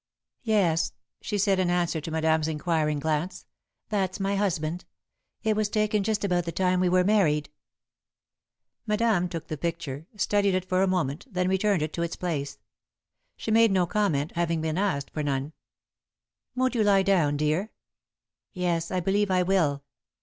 "Yes," she said, in answer to Madame's inquiring glance, "that's my husband. It was taken just about the time we were married." [Sidenote: On the Stroke of Seven] Madame took the picture, studied it for a moment, then returned it to its place. She made no comment, having been asked for none. "Won't you lie down, dear?" "Yes, I believe I will."